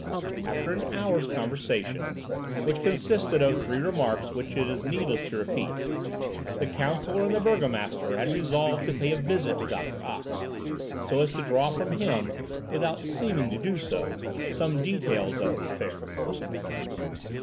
After an hour's conversation, which consisted of three remarks which it is needless to repeat, the counsellor and the burgomaster had resolved to pay a visit to Doctor Ox, so as to draw from him, without seeming to do so, some details of the affair.